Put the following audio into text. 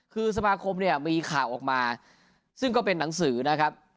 คือสมาคมเนี่ยมีข่าวออกมาซึ่งก็เป็นหนังสือนะครับ